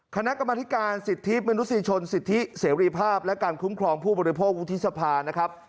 คณะกรรมธิการสิทธิมนุษยชนสิทธิเสรีภาพและการคุ้มครองผู้บริโภควุฒิสภานะครับ